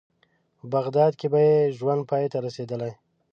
په بغداد کې به یې ژوند پای ته رسېدلی.